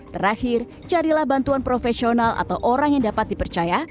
terakhir carilah bantuan profesional atau orang yang dapat dipercaya